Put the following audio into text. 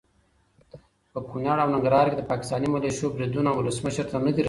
په کنړ او ننګرهار کې د پاکستاني ملیشو بریدونه ولسمشر ته ندي رسېدلي.